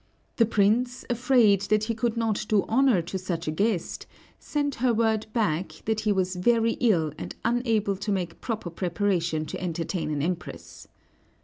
The prince, afraid that he could not do honor to such a guest, sent her word back that he was very ill, and unable to make proper preparation to entertain an Empress.